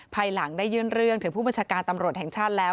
ภายหลังได้ยื่นเรื่องถึงผู้บัญชาการตำรวจแห่งชาติแล้ว